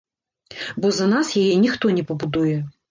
Бо за нас яе ніхто не пабудуе.